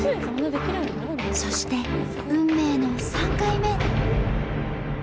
そして運命の３回目。